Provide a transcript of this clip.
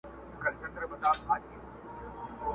ويل موږ خداى پيدا كړي موږكان يو!!